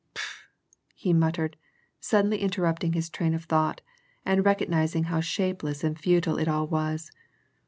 Had "Pshaw!" he muttered, suddenly interrupting his train of thought, and recognizing how shapeless and futile it all was.